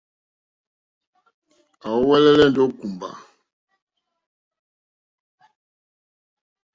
À úwɛ́lɛ́lɛ́ ndó kùmbà.